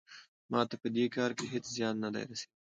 ما ته په دې کار کې هیڅ زیان نه دی رسیدلی.